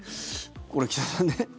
これ、岸田さん